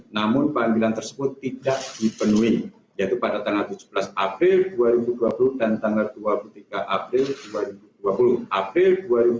namun panggilan tersebut tidak dipenuhi yaitu pada tanggal tujuh belas april dua ribu dua puluh dan tanggal dua puluh tiga april dua ribu dua puluh april dua ribu dua puluh